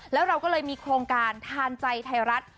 แล้วเราก็เลยมีโครงการทานใจไทยรัฐ